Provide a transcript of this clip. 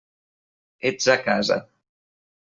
Ets a casa.